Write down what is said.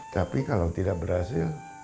tapi kalau tidak berhasil